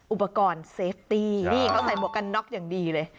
อุปกรณ์เซฟตี้นี่เขาใส่หมวกกันน็อกอย่างดีเลย